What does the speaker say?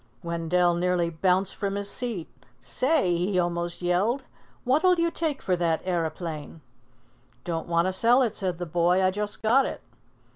Wendell nearly bounced from his seat. "Say!" he almost yelled. "What'll you take for that aeroplane?" "Don't want to sell it," said the boy. "I just got it."